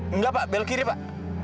enggak pak bel kiri pak